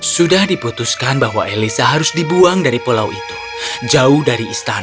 sudah diputuskan bahwa elisa harus dibuang dari pulau itu jauh dari istana